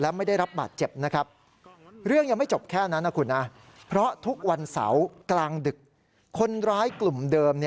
วันเสาร์กลางดึกคนร้ายกลุ่มเดิม